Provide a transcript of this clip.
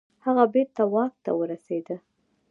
هغه بیرته واک ته ورسیده.